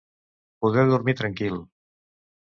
Poder dormir tranquil.